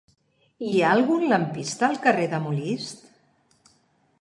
Hi ha algun lampista al carrer de Molist?